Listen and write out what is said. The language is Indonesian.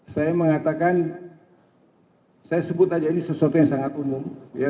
saya mengatakan saya sebut aja ini sesuatu yang sangat umum